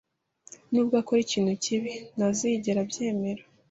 Nubwo akora ikintu kibi, ntazigera abyemera